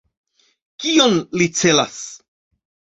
Kion li celas?